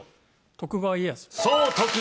徳川家康